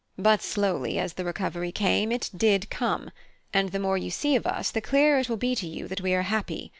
But slowly as the recovery came, it did come; and the more you see of us, the clearer it will be to you that we are happy.